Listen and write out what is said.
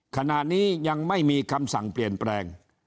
ขณะนี้ยังไม่มีคำสั่งเปลี่ยนแปลง